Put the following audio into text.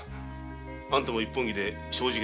あんたも一本気で正直。